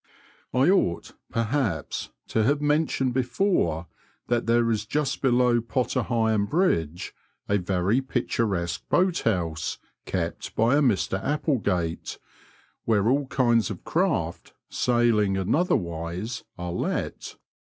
I ought, perhaps, to have mentioned before that there is just below Potter Heigham Bridge a very picturesque boat house, kept by a Mr Applegate, where all kinds of craft, sailing and otherwise, are let.